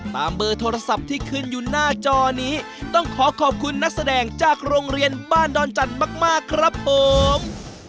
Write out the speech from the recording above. เบอร์โทรศัพท์ที่ขึ้นอยู่หน้าจอนี้ต้องขอขอบคุณนักแสดงจากโรงเรียนบ้านดอนจันทร์มากครับผม